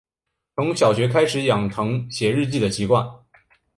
从小学开始养成写日记的习惯